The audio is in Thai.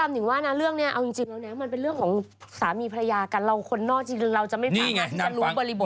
ถ้าเรื่องเนี่ยเอาจริงแล้วเนี่ยมันเป็นเรื่องของสามีภรรยากันเราคนนอกจริงเราจะไม่ฟังว่าที่จะรู้บริบทอะไรได้เลย